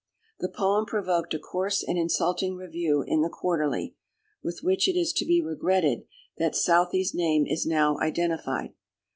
The poem provoked a coarse and insulting review in the Quarterly, with which it is to be regretted that Southey's name is now identified.